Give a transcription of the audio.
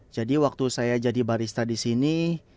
jadi waktu saya jadi barista di sini